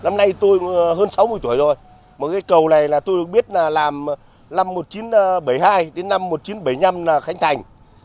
một cây cầu này tôi được biết là làm năm một nghìn chín trăm bảy mươi hai đến năm một nghìn chín trăm bảy mươi năm là khánh thành